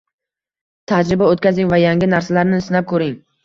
tajriba oʻtkazing va yangi narsalarni sinab koʻring.